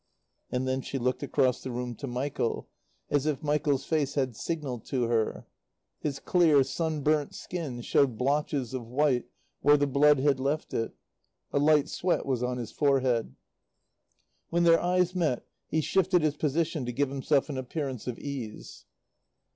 And then she looked across the room to Michael, as if Michael's face had signalled to her. His clear, sun burnt skin showed blotches of white where the blood had left it. A light sweat was on his forehead. When their eyes met, he shifted his position to give himself an appearance of ease.